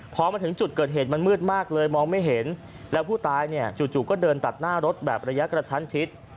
พอมาถึงจุดเกิดเหตุมันมืดมากเลยมองไม่เห็นแล้วผู้ตายเนี่ยจู่ก็เดินตัดหน้ารถแบบระยะกระชั้นชิด